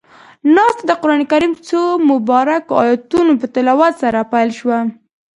ناسته د قرآن کريم څو مبارکو آیتونو پۀ تلاوت سره پيل شوه.